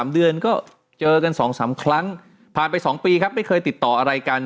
๓เดือนก็เจอกัน๒๓ครั้งผ่านไป๒ปีครับไม่เคยติดต่ออะไรกัน